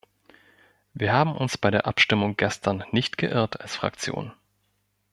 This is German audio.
Wir haben uns bei der Abstimmung gestern nicht geirrt als Fraktion.